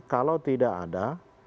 kalau tidak ada